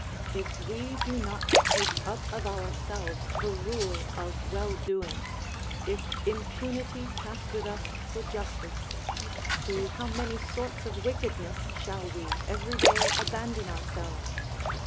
If we do not take up of ourselves the rule of well doing, if impunity pass with us for justice, to how many sorts of wickedness shall we every day abandon ourselves?